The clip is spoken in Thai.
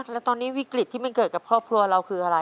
แล้วตอนนี้วิกฤตที่มันเกิดกับครอบครัวเราคืออะไร